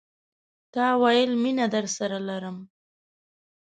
تا ویل، میینه درسره لرم